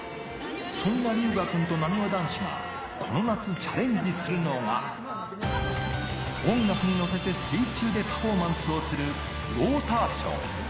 そんな龍芽くんと、なにわ男子が、この夏、チャレンジするのが、音楽にのせて水中でパフォーマンスをするウォーターショー。